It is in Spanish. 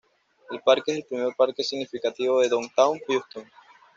El parque es el primer parque significativo en Downtown Houston.